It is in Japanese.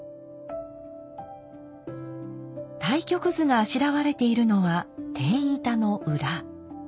太極図があしらわれているのは天板の裏。